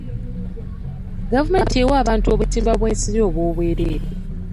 Gavumenti ewa abantu obutimba bw'ensiri obwobwereere.